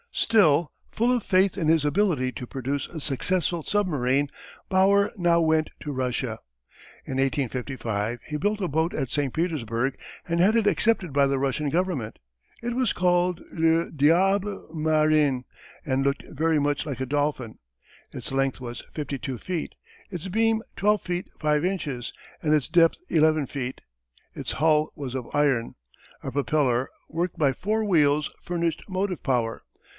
Still full of faith in his ability to produce a successful submarine, Bauer now went to Russia. In 1855, he built a boat at St. Petersburg and had it accepted by the Russian Government. It was called Le Diable Marin and looked very much like a dolphin. Its length was fifty two feet, its beam twelve feet five inches, and its depth eleven feet. Its hull was of iron. A propeller, worked by four wheels, furnished motive power.